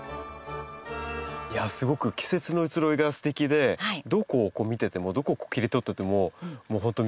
すごく季節の移ろいがすてきでどこを見ててもどこを切り取ってても本当見応えがありますよね。